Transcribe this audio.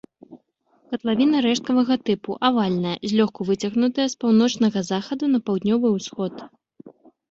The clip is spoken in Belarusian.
Катлавіна рэшткавага тыпу, авальная, злёгку выцягнутая з паўночнага захаду на паўднёвы ўсход.